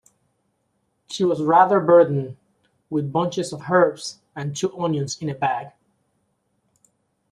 She was rather burdened with bunches of herbs and two onions in a bag.